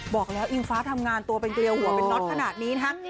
บอกแล้วอิงฟ้าทำงานตัวเป็นเกลียวหัวเป็นน็อตขนาดนี้นะฮะ